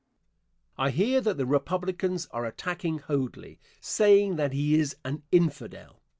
Answer. I hear that the Republicans are attacking Hoadly, saying that he is an Infidel.